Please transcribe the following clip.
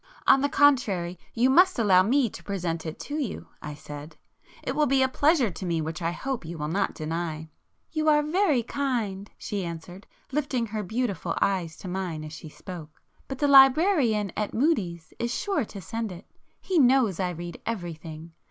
"On the contrary you must allow me to present it to you;" I said—"It will be a pleasure to me which I hope you will not deny." "You are very kind,"—she answered, lifting her beautiful eyes to mine as she spoke—"But the librarian at Mudie's is sure to send it—he knows I read everything.